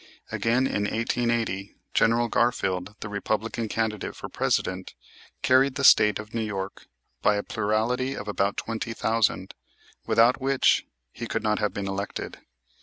Again, in 1880, General Garfield, the Republican candidate for President, carried the State of New York by a plurality of about 20,000, without which he could not have been elected.